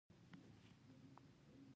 چایو او خوږو مازیګرنۍ سمندرغاړې ته وهڅولو.